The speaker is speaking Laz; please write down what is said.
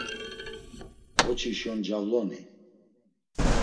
Oçişon, cavloni?